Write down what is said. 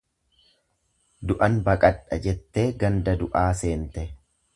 Du'an baqadha jettee ganda du'aa seente.